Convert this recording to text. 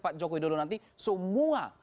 pak joko widodo nanti semua